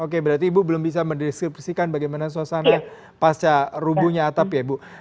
oke berarti ibu belum bisa mendeskripsikan bagaimana suasana pasca rubuhnya atap ya bu